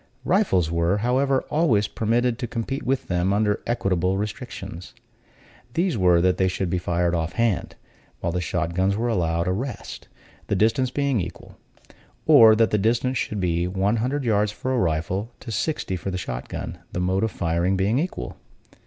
Rifles were, however, always permitted to compete with them, under equitable restrictions. These were, that they should be fired off hand, while the shot guns were allowed a rest, the distance being equal; or that the distance should be one hundred yards for a rifle, to sixty for the shot gun, the mode of firing being equal.